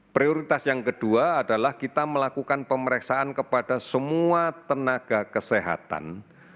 prioritas yang kedua adalah kita melakukan pemeriksaan kepada semua tenaga kesehatan